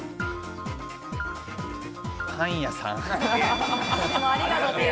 パン屋さん。